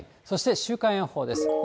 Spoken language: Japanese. そして週間予報です。